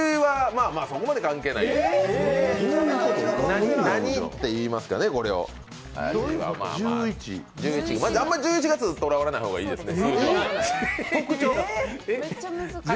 あんま１１月にとらわれない方がいいですね。